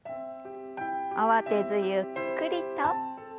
慌てずゆっくりと。